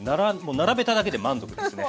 並べただけで満足ですね。